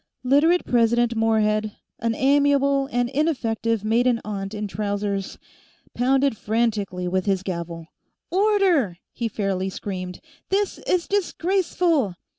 Literate President Morehead, an amiable and ineffective maiden aunt in trousers, pounded frantically with his gavel. "Order!" he fairly screamed. "This is disgraceful!"